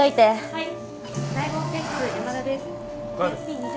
はい。